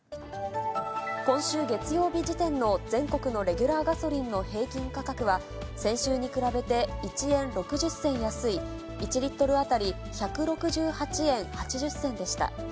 今週月曜日時点の全国のレギュラーガソリンの平均価格は、先週に比べて１円６０銭安い、１リットル当たり１６８円８０銭でした。